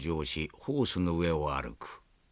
ホースの上を歩く。